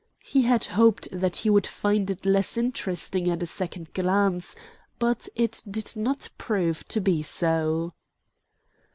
He had hoped that he would find it less interesting at a second glance, but it did not prove to be so.